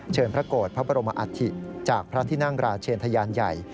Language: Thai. พระโกรธพระบรมอัฐิจากพระที่นั่งราชเชนทะยานใหญ่